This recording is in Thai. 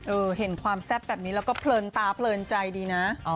เห็นความแซ่บแบบนี้แล้วก็เพลินตาเพลินใจดีนะ